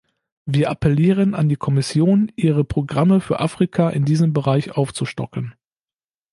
Wir appellieren an die Kommission, ihre Programme für Afrika in diesem Bereich aufzustocken.